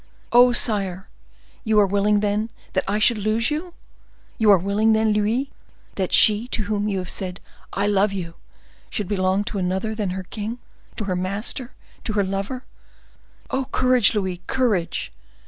Oh, sire! you are willing, then, that I should lose you? You are willing, then, Louis, that she to whom you have said 'I love you,' should belong to another than to her king, to her master, to her lover? Oh! courage, Louis! courage!